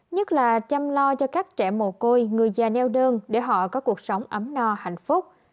nhất là chăm lo cho các trẻ mồ côi người già neo đơn để họ có cuộc sống ấm no hạnh phúc